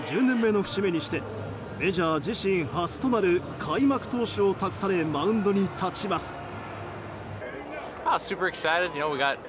１０年目の節目にしてメジャー自身初となる開幕投手を託されマウンドに立ちます。